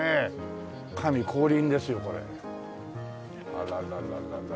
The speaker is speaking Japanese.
あらららら。